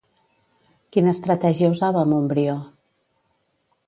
Quina estratègia usava Montbrió?